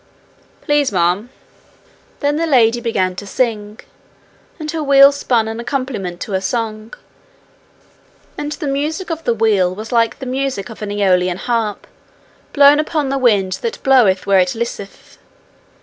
'Please, ma'am.' Then the lady began to sing, and her wheel spun an accompaniment to her song, and the music of the wheel was like the music of an Aeolian harp blown upon by the wind that bloweth where it listeth.